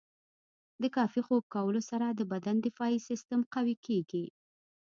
د کافي خوب کولو سره د بدن دفاعي سیستم قوي کیږي.